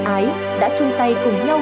ái đã chung tay cùng nhau